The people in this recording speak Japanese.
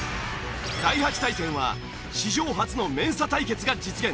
第８対戦は史上初のＭＥＮＳＡ対決が実現。